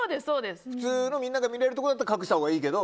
普通のみんなで見れるところだったら隠したほうがいいけど。